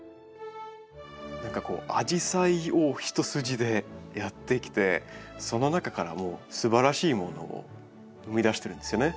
何かこうアジサイを一筋でやってきてその中からすばらしいものを生み出してるんですよね。